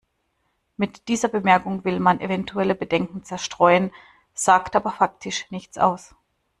Mit dieser Bemerkung will man eventuelle Bedenken zerstreuen, sagt aber faktisch nichts aus.